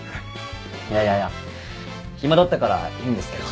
いやいやいや暇だったからいいんですけど。